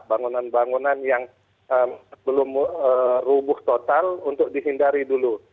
bangunan bangunan yang belum rubuh total untuk dihindari dulu